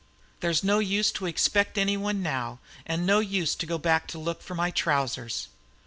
"There's no use to expect any one now, and no use to go back to look for my trousers."